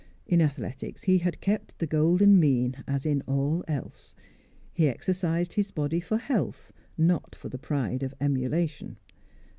In athletics he had kept the golden mean, as in all else; he exercised his body for health, not for the pride of emulation.